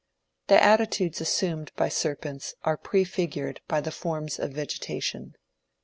The attitudes assumed by serpents are prefigured by the forms of vegetation.